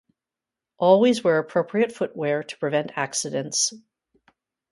Always wear appropriate footwear to prevent accidents.